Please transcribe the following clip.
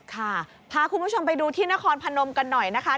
พาคุณผู้ชมไปดูที่นครพนมกันหน่อยนะคะ